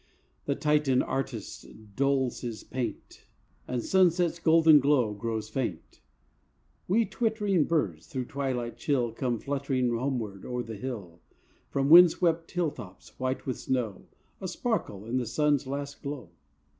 The Titan artist dulls his paint, And sunset's golden glow grows faint; Wee twitt'ring birds thru twilight chill Come flutt'ring homeward o'er the hill From wind swept hill tops white with snow A sparkle in the sun's last glow.